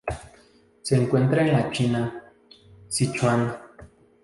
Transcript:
Se encuentra en la China: Sichuan.